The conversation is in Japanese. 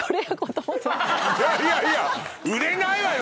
いやいやいや売れないわよ